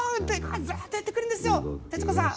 ずっと寄ってくるんですよ徹子さん！